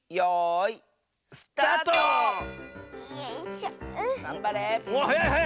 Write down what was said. がんばれ！